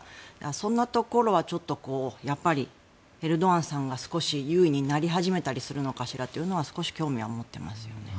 そのところはちょっとやっぱりエルドアンさんが少し優位になり始めたりするのかしらというのは少し興味は持ってますよね。